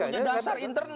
punya dasar internal